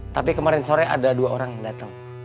tapi kemarin sore ada dua orang yang datang